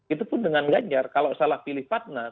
itu pun dengan ganjar kalau salah pilih patna